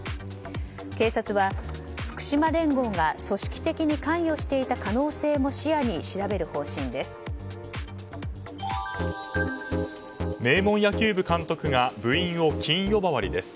警察は福島連合が組織的に関与していた可能性も視野に調べる方針です。